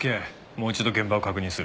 もう一度現場を確認する。